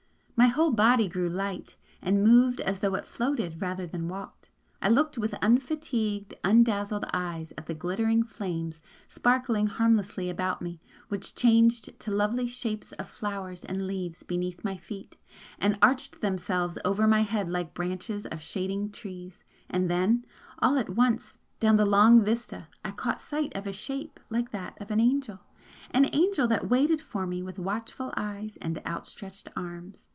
My whole body grew light, and moved as though it floated rather than walked I looked with unfatigued, undazzled eyes at the glittering flames that sparkled harmlessly about me and which changed to lovely shapes of flowers and leaves beneath my feet, and arched themselves over my head like branches of shading trees and then all at once, down the long vista I caught sight of a Shape like that of an Angel! an angel that waited for me with watchful eyes and outstretched arms!